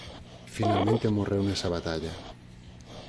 Finalmente morreu nesa batalla.